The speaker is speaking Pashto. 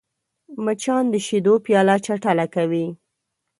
مچان د شیدو پیاله چټله کوي